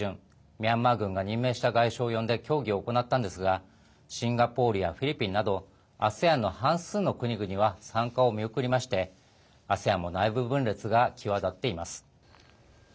ミャンマー軍が任命した外相を呼んで協議を行ったんですがシンガポールやフィリピンなどＡＳＥＡＮの半数の国々は参加を見送りましてＡＳＥＡＮも内部分裂が際立っています。